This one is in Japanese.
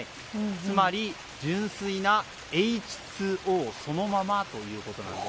つまり、純粋なＨ２Ｏそのままということなんです。